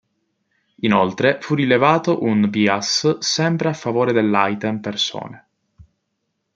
Inoltre, fu rilevato un bias sempre a favore dell'"item" persone.